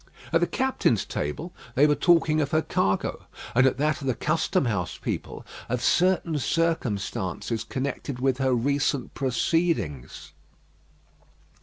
At the captains' table they were talking of her cargo; and at that of the custom house people, of certain circumstances connected with her recent proceedings.